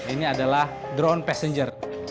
ini adalah drone passenger